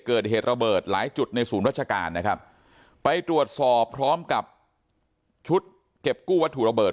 เกิดเหตุระเบิดหลายจุดในศูนย์ราชการนะครับไปตรวจสอบพร้อมกับชุดเก็บกู้วัตถุระเบิด